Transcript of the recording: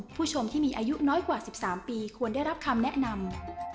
ผู้ชมที่มีอายุน้อยกว่า๑๓ปีควรได้รับคำแนะนำ